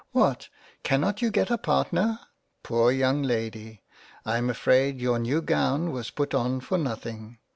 What cannot you get a partner ? in <g JANE AUSTEN Poor Young Lady ! I am afraid your new Gown was put on for nothing.